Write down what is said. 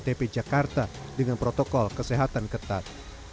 yang memiliki ktp jakarta dengan protokol kesehatan ketat